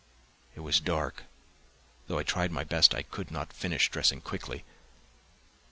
It was dark; though I tried my best I could not finish dressing quickly.